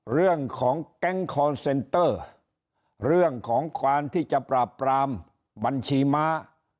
เรื่องของแก๊งคอนเซนเตอร์เรื่องของการที่จะปราบปรามบัญชีม้า